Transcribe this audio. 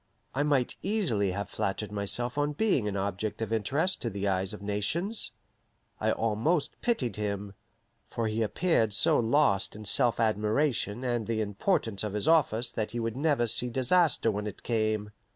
I might easily have flattered myself on being an object of interest to the eyes of nations. I almost pitied him; for he appeared so lost in self admiration and the importance of his office that he would never see disaster when it came.